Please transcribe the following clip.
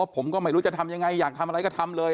ผมก็ไม่รู้จะทำยังไงอยากทำอะไรก็ทำเลย